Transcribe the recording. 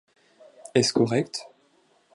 Est-ce correct ?